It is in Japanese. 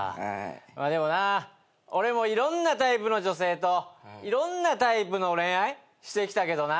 まあでもな俺もいろんなタイプの女性といろんなタイプの恋愛してきたけどな。